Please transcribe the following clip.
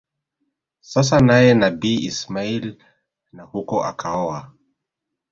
sasa naye Nabii Ismail na huko akaoa